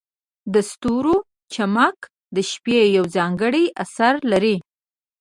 د ستورو چمک د شپې یو ځانګړی اثر لري.